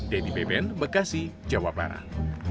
dedy beben bekasi jawa barat